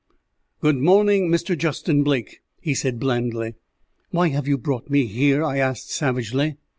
"Good morning, Mr. Justin Blake," he said blandly. "Why have you brought me here?" I asked savagely.